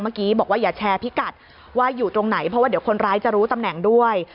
เมื่อกี้บอกว่าอย่าแชร์พิกัดว่าอยู่ตรงไหนเพราะว่าเดี๋ยวคนร้ายจะรู้ตำแหน่งด้วย